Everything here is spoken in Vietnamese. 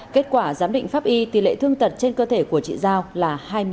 kết quả giám định pháp y tỷ lệ thương tật trên cơ thể của chị giao là hai mươi bảy